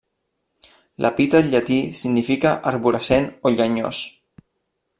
L'epítet llatí significa arborescent o llenyós.